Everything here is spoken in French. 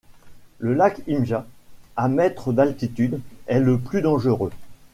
Le lac Imja, à mètres d'altitude, est le plus dangereux.